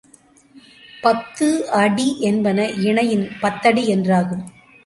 பத்து அடி என்பன இணையின் பத்தடி என்றாகும்.